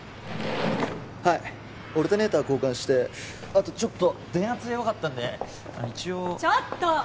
はいオルタネーター交換してあとちょっと電圧弱かったんで一応ちょっと！